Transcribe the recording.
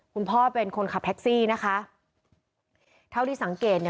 คุณพ่อเป็นคนขับแท็กซี่นะคะเท่าที่สังเกตเนี่ย